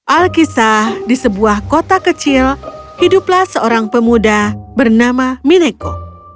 alkisah di sebuah kota kecil hiduplah seorang pemuda bernama mineko